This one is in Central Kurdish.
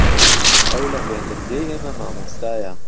ئەو لە خوێندنگەی ئێمە مامۆستایە.